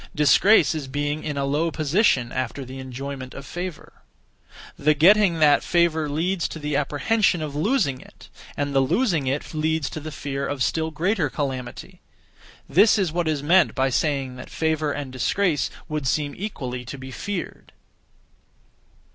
Disgrace is being in a low position (after the enjoyment of favour). The getting that (favour) leads to the apprehension (of losing it), and the losing it leads to the fear of (still greater calamity): this is what is meant by saying that favour and disgrace would seem equally to be feared.